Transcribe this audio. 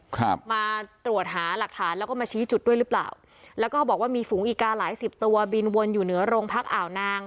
ครับมาตรวจหาหลักฐานแล้วก็มาชี้จุดด้วยหรือเปล่าแล้วก็บอกว่ามีฝูงอีกาหลายสิบตัวบินวนอยู่เหนือโรงพักอ่าวนาง